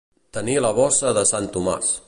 Tenir la bossa de sant Tomàs.